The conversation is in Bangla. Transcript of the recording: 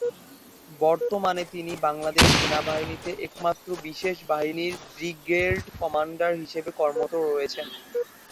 বর্তমানে তিনি বাংলাদেশ সেনাবাহিনীতে একমাত্র বিশেষ বাহিনীর ব্রিগেড কমান্ডার হিসেবে কর্মরত রয়েছেন।